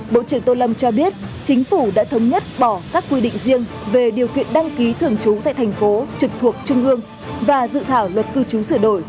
bộ trưởng tô lâm cho biết chính phủ đã thống nhất bỏ các quy định riêng về điều kiện đăng ký thường trú tại thành phố trực thuộc trung ương và dự thảo luật cư trú sửa đổi